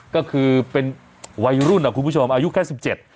ก็คือเป็นวัยรุ่นอ่ะคุณผู้ชมอายุแค่สิบเจ็ด